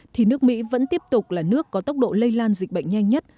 thì nước mỹ vẫn tiếp tục là nước có tốc độ lây lan dịch bệnh nhanh nhất